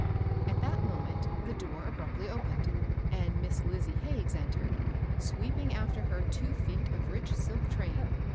At that moment, the door abruptly opened, and Miss Lizie Hagges entered, sweeping after her two feet of rich silk train.